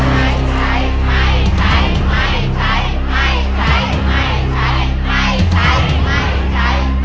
ไม่ใช้